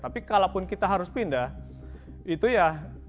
tapi kalaupun kita harus pindah itu ya